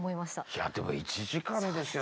いやでも１時間ですよ。